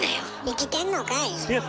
生きてんのかい。